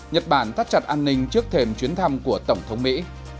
nhật bản thắt chặt an ninh trước thềm chuyến thăm của tổng thống mỹ